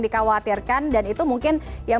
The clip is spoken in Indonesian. dikhawatirkan dan itu mungkin yang